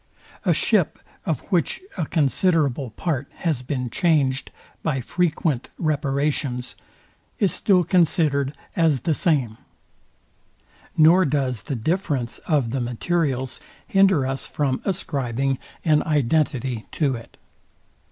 A ship, of which a considerable part has been changed by frequent reparations, is still considered as the same; nor does the difference of the materials hinder us from ascribing an identity to it.